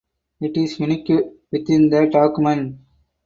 It is unique within the document.